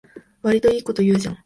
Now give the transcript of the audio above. わりといいこと言うじゃん